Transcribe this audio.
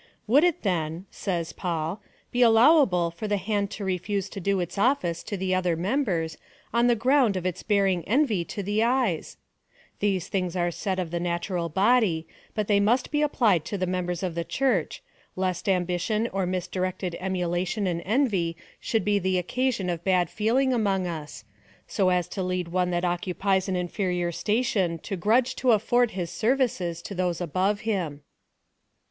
" Would it then," says Paul, " be allowable for the hand to refuse to do its office to the other members, on the ground of its bearing envy to the eyes 1" These things are said of the natural body, but they must be applied to the members of the Church, lest ambition or misdirected emulation and envy should be the occasion of bad feeling among us,^ so as to lead one that occupies an inferior station to grudge to afford his services to those above him.